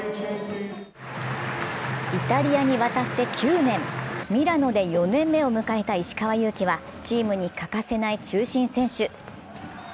イタリアに渡って９年、ミラノで４年目を迎えた石川祐希はチームに欠かせない中心選手。